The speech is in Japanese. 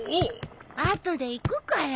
後で行くから。